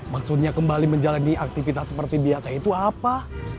maksudnya kembali menjalani aktivitas seperti biasa itu apa